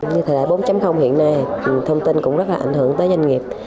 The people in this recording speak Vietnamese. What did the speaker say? như thời đại bốn hiện nay thông tin cũng rất là ảnh hưởng tới doanh nghiệp